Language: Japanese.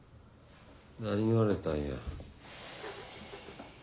何言われたんや。